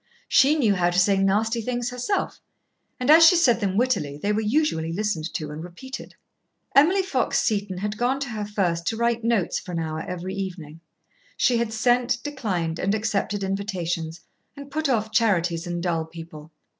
She knew how to say nasty things herself, and as she said them wittily they were usually listened to and repeated. Emily Fox Seton had gone to her first to write notes for an hour every evening. She had sent, declined, and accepted invitations, and put off charities and dull people.